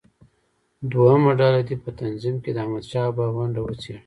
دویمه ډله دې په تنظیم کې د احمدشاه بابا ونډه وڅېړي.